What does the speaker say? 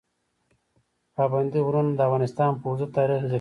پابندي غرونه د افغانستان په اوږده تاریخ کې ذکر شوي دي.